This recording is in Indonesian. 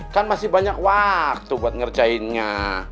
kan masih banyak waktu buat ngerjainnya